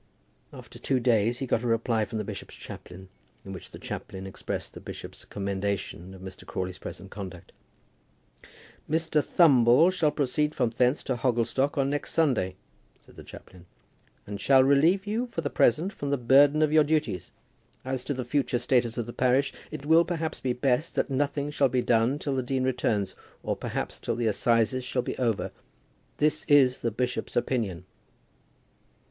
After two days he got a reply from the bishop's chaplain, in which the chaplain expressed the bishop's commendation of Mr. Crawley's present conduct. "Mr. Thumble shall proceed from hence to Hogglestock on next Sunday," said the chaplain, "and shall relieve you for the present from the burden of your duties. As to the future status of the parish, it will perhaps be best that nothing shall be done till the dean returns, or perhaps till the assizes shall be over. This is the bishop's opinion."